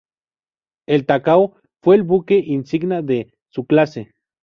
El "Takao" fue el buque insignia de su clase.